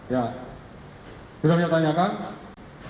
ya sudah saya tanyakan